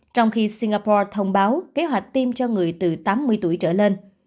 trong khi singapore thông báo kế hoạch tiêm cho người từ tám mươi tuổi trở lên